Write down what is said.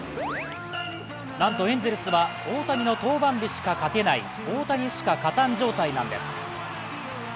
なんとエンゼルスは大谷の登板日しか勝てない大谷しか勝たん状態なんです。